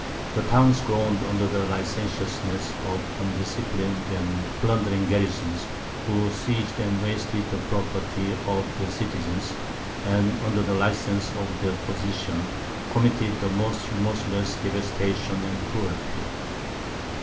The towns groaned under the licentiousness of undisciplined and plundering garrisons, who seized and wasted the property of the citizens, and, under the license of their position, committed the most remorseless devastation and cruelty.